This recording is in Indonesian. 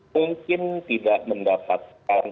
mungkin tidak mendapatkan